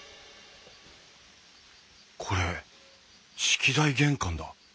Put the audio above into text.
これ式台玄関だ。